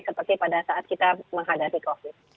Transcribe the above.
seperti pada saat kita menghadapi covid